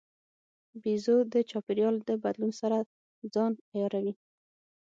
بیزو د چاپېریال د بدلون سره ځان عیاروي.